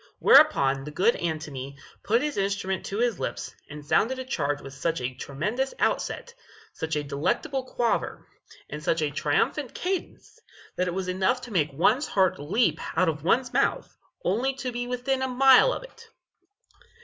Whereupon the good Antony put his instrument to his lips, and sounded a charge with such a tremendous outset, such a delectable quaver, and such a triumphant cadence, that it was enough to make one's heart leap out of one's mouth only to be within a mile of it.